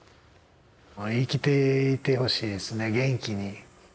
生きていてほしいですね元気に。